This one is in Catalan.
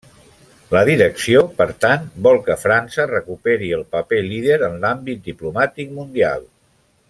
La direcció, per tant, vol que França recuperi el paper líder en l'àmbit diplomàtic mundial.